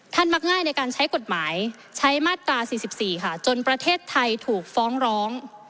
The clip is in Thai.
มักง่ายในการใช้กฎหมายใช้มาตรา๔๔ค่ะจนประเทศไทยถูกฟ้องร้อง